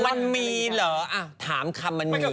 มันมีเหรอถามคำมันมี